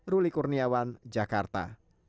ruli kurniawan jakarta